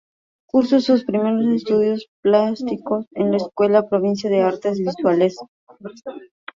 Cursó sus primeros estudios plásticos en la Escuela Provincial de Artes Visuales Prof.